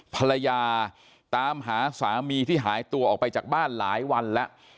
ภรรยาตามหาสามีที่หายตัวออกไปจากบ้านหลายวันแล้ว